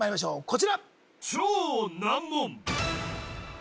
こちら